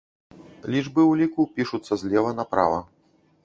Лічбы ў ліку пішуцца злева направа.